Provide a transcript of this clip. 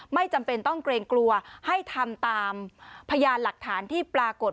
ไม่จำเป็นต้องเกรงกลัวให้ทำตามพยานหลักฐานที่ปรากฏ